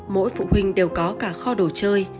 mỗi phụ huynh đều có cả kho đồ chơi